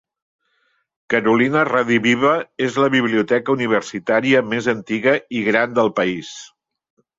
Carolina Rediviva és la biblioteca universitària més antiga i gran del país.